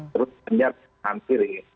terus benar benar hampir